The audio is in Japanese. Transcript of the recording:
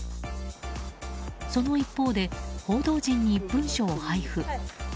その一方で報道陣に文書を配布。